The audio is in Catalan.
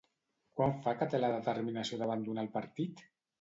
Quant fa que té la determinació d'abandonar el partit?